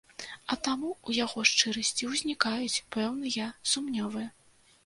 А таму ў яго шчырасці ўзнікаюць пэўныя сумневы.